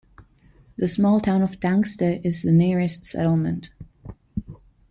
The small town of Tangste is the nearest settlement.